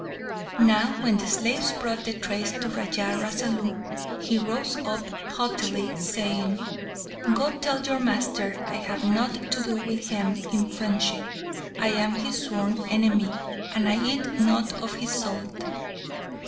Now when the slaves brought the trays to Raja Rasalu, he rose up haughtily, saying, "Go, tell your master I have nought to do with him in friendship. I am his sworn enemy, and I eat not of his salt!"